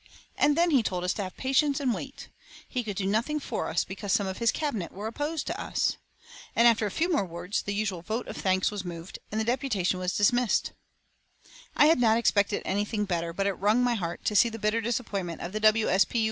And then he told us to have patience and wait; he could do nothing for us because some of his Cabinet were opposed to us. After a few more words the usual vote of thanks was moved, and the deputation was dismissed. I had not expected anything better, but it wrung my heart to see the bitter disappointment of the W. S. P.